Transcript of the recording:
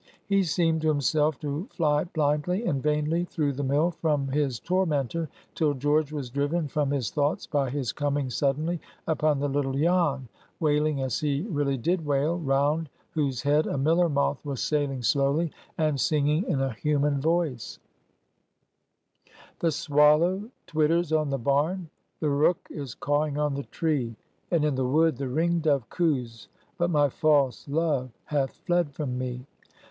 He seemed to himself to fly blindly and vainly through the mill from his tormentor, till George was driven from his thoughts by his coming suddenly upon the little Jan, wailing as he really did wail, round whose head a miller moth was sailing slowly, and singing in a human voice:— "The swallow twitters on the barn, The rook is cawing on the tree, And in the wood the ringdove coos, But my false love hath fled from me.